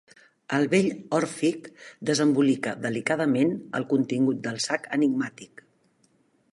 El vell òrfic desembolica delicadament el contingut del sac enigmàtic.